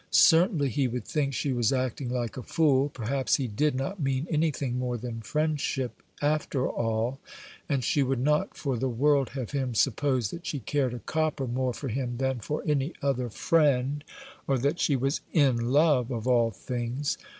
"Certainly he would think she was acting like a fool; perhaps he did not mean any thing more than friendship, after all; and she would not for the world have him suppose that she cared a copper more for him than for any other friend, or that she was in love, of all things."